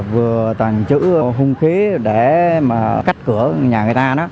vừa tặng chữ hung khí để mà cắt cửa nhà người ta đó